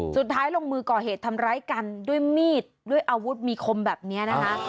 สุดท้ายลงมือก่อเหตุทำร้ายกันด้วยมีดด้วยอาวุธมีคมแบบนี้นะคะ